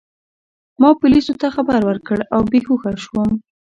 ما پولیسو ته خبر ورکړ او بې هوښه شوم.